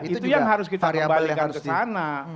itu yang harus kita kembalikan ke sana